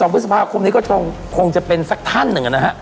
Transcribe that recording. พฤษภาคมนี้ก็คงจะเป็นสักท่านหนึ่งนะฮะ